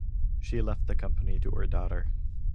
She left the company to her daughter.